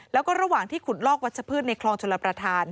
แล้วก็ระหว่างที่ขุดลอกวัชพืชในคลองชลประธาน